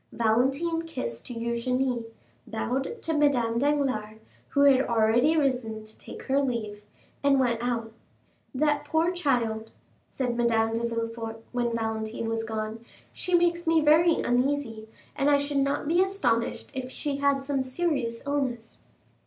Valentine kissed Eugénie, bowed to Madame Danglars, who had already risen to take her leave, and went out. "That poor child," said Madame de Villefort when Valentine was gone, "she makes me very uneasy, and I should not be astonished if she had some serious illness."